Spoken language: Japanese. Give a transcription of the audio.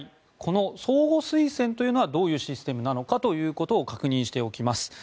この相互推薦というのはどういうシステムなのかということを確認しておきます。